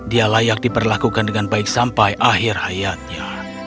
dia layak diperlakukan dengan baik sampai akhir hayatnya